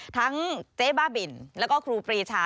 เจ๊บ้าบินแล้วก็ครูปรีชา